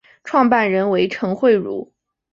创办人为陈惠如。